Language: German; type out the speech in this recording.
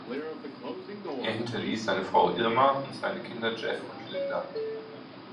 Er hinterließ seine Frau Irma und seine Kinder Jeff und Linda.